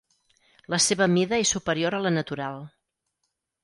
La seva mida és superior a la natural.